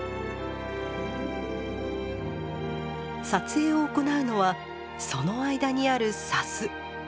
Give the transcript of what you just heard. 撮影を行うのはその間にある砂州。